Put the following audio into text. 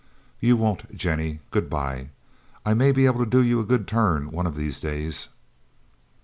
"You won't, Jennie. Good bye. I may be able to do you a good turn one of these days."